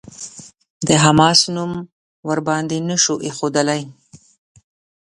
د «حماس» نوم ورباندې نه شو ايښودلای.